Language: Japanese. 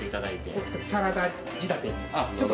サラダ仕立てに。